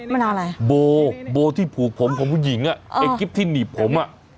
มันเอาอะไรโบโบที่ผูกผมของผู้หญิงอ่ะไอ้คลิปที่หนีบผมอ่ะ